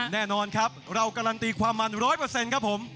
แน่นอนเราการันตีความมันรอยเปอร์เซ็นต์